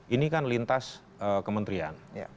ini kan lintas kementerian